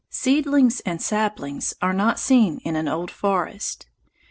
Seedlings and saplings are not seen in an old forest.